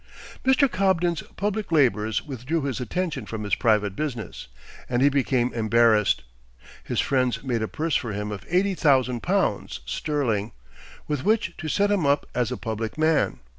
Mr. Cobden's public labors withdrew his attention from his private business, and he became embarrassed. His friends made a purse for him of eighty thousand pounds sterling, with which to set him up as a public man.